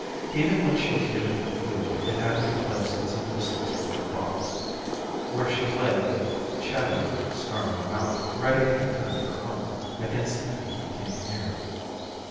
Even when she was given her food it had to be placed at some distance from her box, where she lay with chattering snarling mouth, ready to defend her own against any who came near.